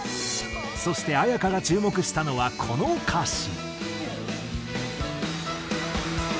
「君と」そして絢香が注目したのはこの歌詞。